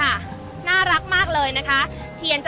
อาจจะออกมาใช้สิทธิ์กันแล้วก็จะอยู่ยาวถึงในข้ามคืนนี้เลยนะคะ